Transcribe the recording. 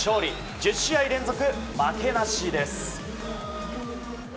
１０試合連続負けなしです。